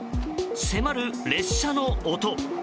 迫る列車の音。